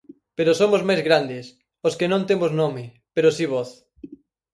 Pero somos máis grandes: os que non temos nome, pero si voz.